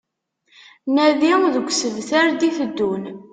Nadi deg usebter d-iteddun